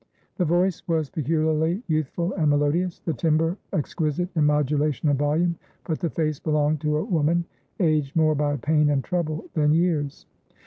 The voice was peculiarly youthful and melodious, the timbre exquisite in modulation and volume, but the face belonged to a woman aged more by pain and trouble than years.